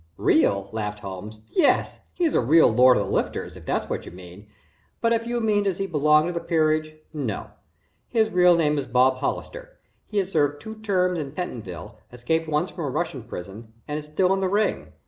"Real?" laughed Holmes. "Yes he's a real Lord of the Lifters, if that's what you mean, but if you mean does he belong to the peerage, no. His real name is Bob Hollister. He has served two terms in Pentonville, escaped once from a Russian prison, and is still in the ring.